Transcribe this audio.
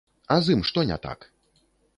А з ім што не так?